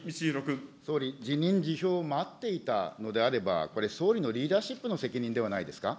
総理、辞任辞表を待っていたのであれば、これ、総理のリーダーシップの責任ではないですか。